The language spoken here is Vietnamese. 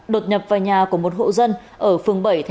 đột nhập vào nhà của một hộ dân ở phường bảy tp bến tre